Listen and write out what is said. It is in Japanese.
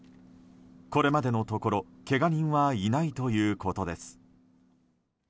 これまでのところけが人はいないということです。